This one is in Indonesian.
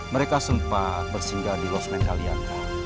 mereka sempat bersinggah di los men kalian